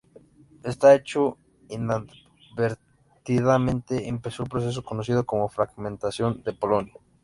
Este hecho inadvertidamente empezó el proceso conocido como Fragmentación de Polonia.